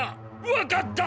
わかった！